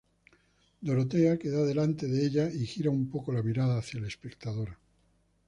Dorothea queda delante de ella, y gira un poco la mirada hacia el espectador.